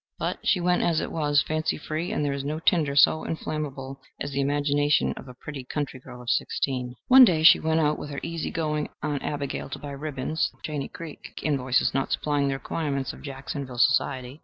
But she went, as it was, fancy free, and there is no tinder so inflammable as the imagination of a pretty country girl of sixteen. One day she went out with her easy going aunt Abigail to buy ribbons, the Chancy Creek invoices not supplying the requirements of Jacksonville society.